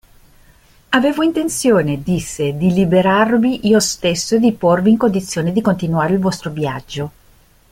Avevo intenzione, disse, di liberarvi io stesso e di porvi in condizione di continuare il vostro viaggio.